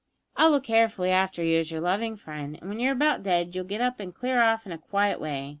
I'll look carefully after you as your loving friend, and when you're about dead you'll get up and clear off in a quiet way.